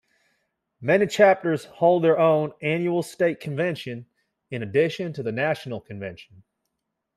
Many chapters hold their own annual State Convention in addition to the National Convention.